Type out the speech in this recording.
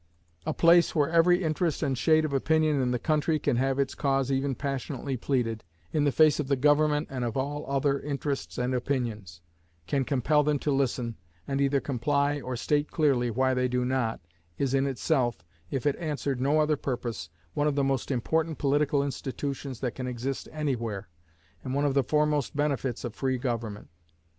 A place where every interest and shade of opinion in the country can have its cause even passionately pleaded, in the face of the government and of all other interests and opinions, can compel them to listen, and either comply, or state clearly why they do not, is in itself, if it answered no other purpose, one of the most important political institutions that can exist any where, and one of the foremost benefits of free government.